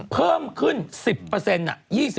เพิ่มขึ้น๑๐น่ะ